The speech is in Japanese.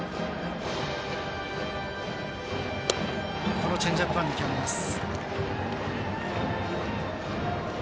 このチェンジアップは見極めます。